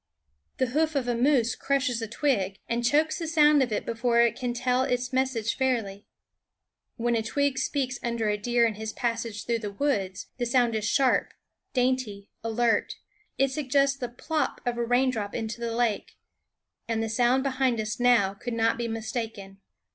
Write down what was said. The hoof of a moose crushes a twig, and chokes the sound of it THE WOODS before it can tell its message fairly. When a twig speaks under a deer in his passage >,,,//^ r* . 1 1 WhaHne fawns through the woods, the sound is sharp, ^, dainty, alert. It suggests the plop of a rain js no[J drop into the lake. And the sound behind us now could not be mistaken.